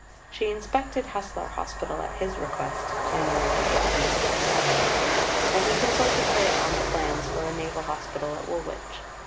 She inspected Haslar Hospital at his request (Jan. 1857), and he consulted her on the plans for a Naval Hospital at Woolwich.